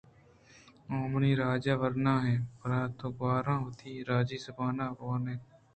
- او منی راج ءِ ورناھیں بْرات ءُ گْوھاراں وتی راجی زُبان ءَ بوان اِت۔